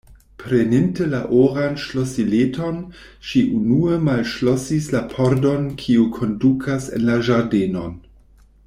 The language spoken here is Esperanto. Preninte la oran ŝlosileton, ŝi unue malŝlosis la pordon kiu kondukas en la ĝardenon.